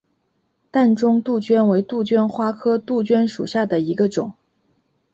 淡钟杜鹃为杜鹃花科杜鹃属下的一个种。